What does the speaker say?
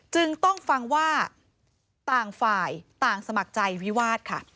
จึงต้องฟังว่าต่างฝ่ายต่างสมัครใจวิวาสค่ะ